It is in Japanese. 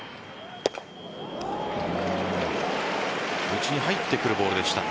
内に入ってくるボールでした。